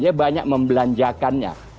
dia banyak membelanjakannya